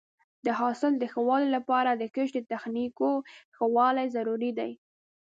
د حاصل د ښه والي لپاره د کښت د تخنیکونو ښه والی ضروري دی.